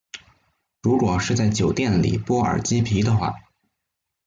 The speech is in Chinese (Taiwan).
如果是在酒店裡剝耳機皮的話